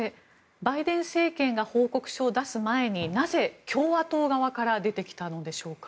バイデン政権が報告書を出す前になぜ共和党側から出てきたのでしょうか。